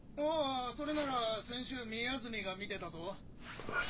ああそれなら先週宮澄が見てたぞ。